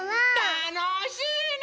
たのしいね。